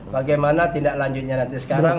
bagaimana tindak lanjutnya nanti sekarang